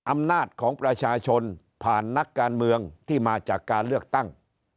อำนาจของประชาชนผ่านนักการเมืองที่มาจากการเลือกตั้ง